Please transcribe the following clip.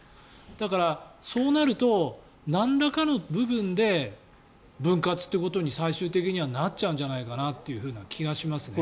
だからそうなるとなんらかの部分で分割ということに最終的にはなっちゃうんじゃないかなという気がしますね。